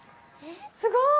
すごーい。